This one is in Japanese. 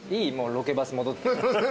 ロケバス戻って。